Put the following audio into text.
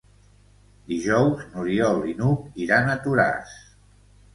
Dijous n'Oriol i n'Hug iran a Toràs.